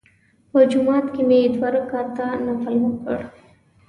په جومات کې مې دوه رکعته نفل وکړل.